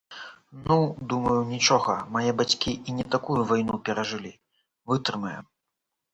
Ну, думаю, нічога, мае бацькі і не такую вайну перажылі, вытрымаем.